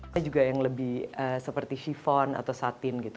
saya juga yang lebih seperti chiffon atau satin gitu